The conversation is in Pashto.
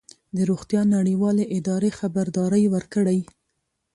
د روغتیا نړیوالې ادارې خبرداری ورکړی